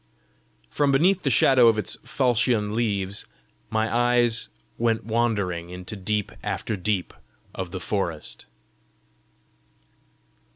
From beneath the shadow of its falchion leaves my eyes went wandering into deep after deep of the forest.